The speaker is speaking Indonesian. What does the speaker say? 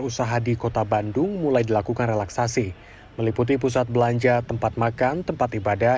usaha di kota bandung mulai dilakukan relaksasi meliputi pusat belanja tempat makan tempat ibadah